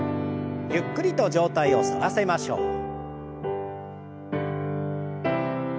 ゆっくりと上体を反らせましょう。